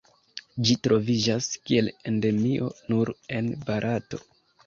Ĝi troviĝas kiel Endemio nur en Barato.